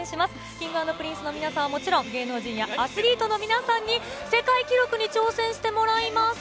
Ｋｉｎｇ＆Ｐｒｉｎｃｅの皆さんはもちろん、芸能人やアスリートの皆さんに、世界記録に挑戦してもらいます。